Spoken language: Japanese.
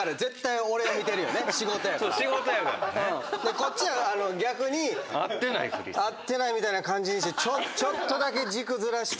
こっちは逆に合ってないみたいな感じにしてちょっとだけ軸ずらして。